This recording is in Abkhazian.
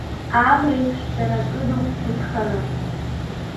Амреиԥш дара кыдуп са сханы.